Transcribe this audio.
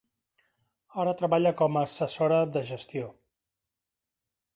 Ara treballa com a assessora de gestió.